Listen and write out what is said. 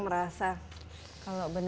berarti saya selalu merasa